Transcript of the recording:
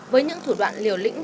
với những thủ đoạn liều lĩnh